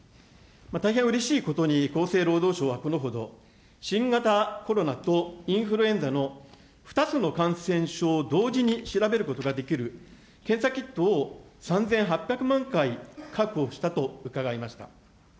大変うれしいことに、厚生労働省はこのほど、新型コロナとインフルエンザの２つの感染症を同時に調べることができる、検査キットを３８００万回確保したと伺いました。